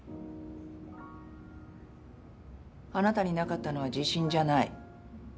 あなたになかったのは自信じゃない。